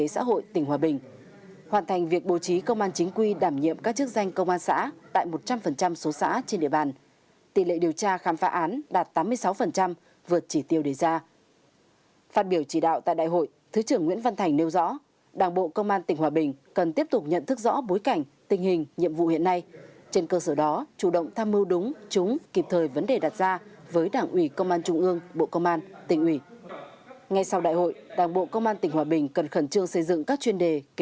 các chức danh công an xã tại một trăm linh số xã trên địa bàn tỷ lệ điều tra khám phá án đạt tám mươi sáu vượt chỉ tiêu đề ra phát biểu chỉ đạo tại đại hội thứ trưởng nguyễn văn thành nêu rõ đảng bộ công an tỉnh hòa bình cần tiếp tục nhận thức rõ bối cảnh tình hình nhiệm vụ hiện nay trên cơ sở đó chủ động tham mưu đúng chúng kịp thời vấn đề đặt ra với đảng ủy công an trung ương bộ công an tỉnh ủy ngay sau đại hội đảng bộ công an tỉnh hòa bình cần khẩn trương xây dựng các chuyên đề k